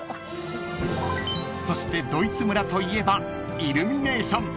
［そしてドイツ村といえばイルミネーション］